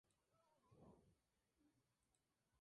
El dolor no es un síntoma característico en la ascitis.